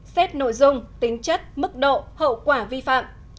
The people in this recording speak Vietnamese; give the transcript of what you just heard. xét nội dung tính chất mức độ hậu quả vi phạm